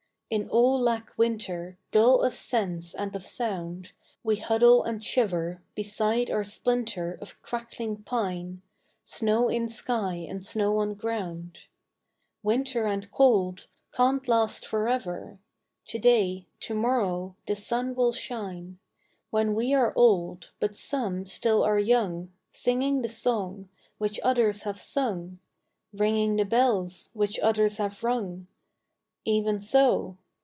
In all lack Winter, Dull of sense and of sound, We huddle and shiver Beside our splinter Of crackling pine, Snow in sky and snow on ground. Winter and cold Can't last for ever ! To day, to morrow, the sun will shine ; When we are old, AN OCTOBER GARTEN 175 But some still are young, Singing the song Which others have sung, — Ringing the bells Which others have rung, — Even so